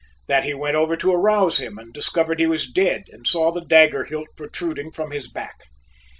That he went over to arouse him and discovered he was dead and saw the dagger hilt protruding from his back.